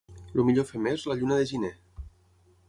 El millor femer és la lluna de gener.